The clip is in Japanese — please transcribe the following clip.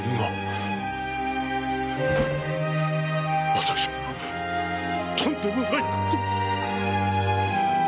私はとんでもない事を！